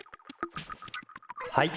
はい。